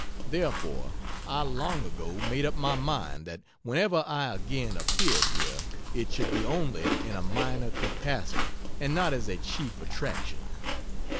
Therefore I long ago made up my mind that whenever I again appeared here, it should be only in a minor capacity and not as a chief attraction.